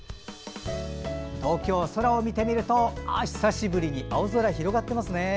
東京、空を見てみると久しぶりに青空、広がってます。